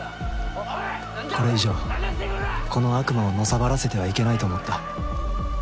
これ以上この悪魔をのさばらせてはいけないと思った。